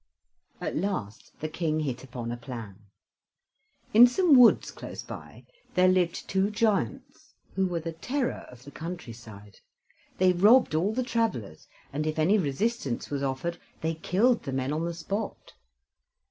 At last the King hit upon a plan. In some woods close by there lived two giants, who were the terror of the country side; they robbed all the travelers, and if any resistance was offered they killed the men on the spot.